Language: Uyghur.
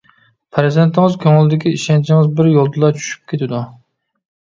پەرزەنتىڭىز كۆڭلىدىكى ئىشەنچىڭىز بىر يولدىلا چۈشۈپ كېتىدۇ.